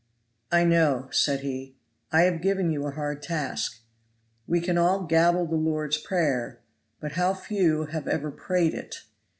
"I know," said he, "I have given you a hard task. We can all gabble the Lord's Prayer, but how few have ever prayed it!